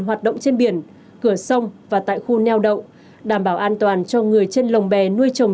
hoạt động trên biển cửa sông và tại khu neo đậu đảm bảo an toàn cho người trên lồng bè nuôi trồng